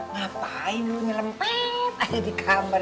ngapain lu nyelempet ada di kamar